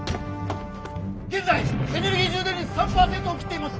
「現在エネルギー充電率３％を切っています。